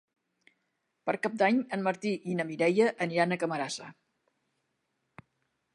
Per Cap d'Any en Martí i na Mireia aniran a Camarasa.